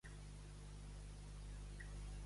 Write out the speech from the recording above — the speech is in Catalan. Què farà Barcelona en Comú?